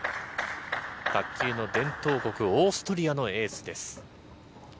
卓球の伝統国、オーストリアのエースです。